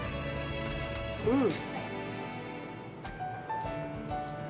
うん。